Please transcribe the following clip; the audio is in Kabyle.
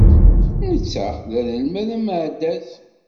Netta d anelmad ameɛdaz.